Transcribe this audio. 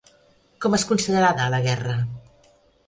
Com és considerada La Guerra?